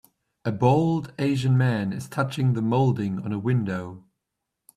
A bald Asian man is touching the molding on a window.